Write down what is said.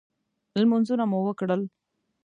لمنځونه مو وکړل.